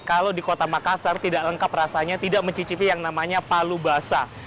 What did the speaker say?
kalau di kota makassar tidak lengkap rasanya tidak mencicipi yang namanya palu basah